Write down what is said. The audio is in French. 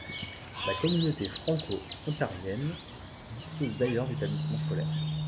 La communauté franco-ontarienne dispose d'ailleurs d'établissements scolaires.